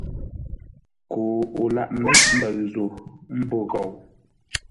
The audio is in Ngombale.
Koo o lâʼ méʼ mbəʉ zô ḿbô ghou!